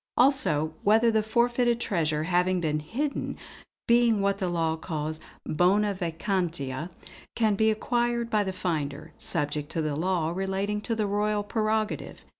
Also whether the forfeited treasure having been hidden, being what the law calls 'bona vacantia,' can be acquired by the finder, subject to the law relating to the Royal prerogative.